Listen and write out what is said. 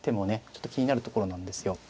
ちょっと気になるところなんですよ。